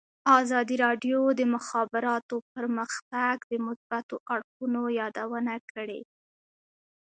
ازادي راډیو د د مخابراتو پرمختګ د مثبتو اړخونو یادونه کړې.